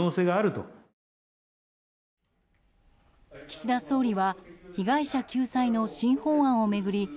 岸田総理は被害者救済の新法案を巡り